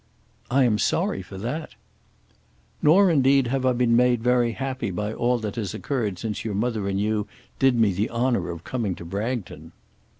"I am sorry for that." "Nor, indeed, have I been made very happy by all that has occurred since your mother and you did me the honour of coming to Bragton."